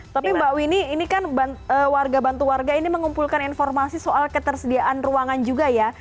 tapi mbak winnie ini kan warga bantu warga ini mengumpulkan informasi soal ketersediaan ruangan juga ya